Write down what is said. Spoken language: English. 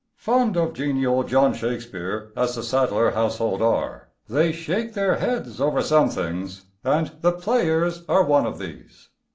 Fond of genial John Shakespeare as the Sadler household are, they shake their heads over some things, and the players are one of these.